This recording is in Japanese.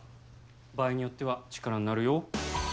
場合によっては力になるよ。